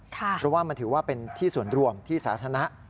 เพราะว่ามันถือว่าเป็นที่ส่วนรวมที่สาธารณะ